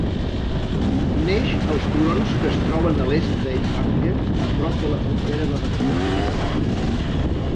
Neix als turons que es troben a l'est d'Ellwangen, a prop de la frontera bavaresa.